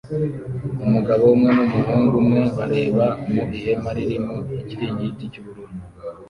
Umugabo umwe numuhungu umwe bareba mu ihema ririmo ikiringiti cyubururu